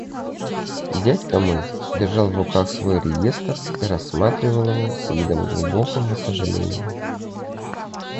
Дядька мой держал в руках свой реестр и рассматривал его с видом глубокого сожаления.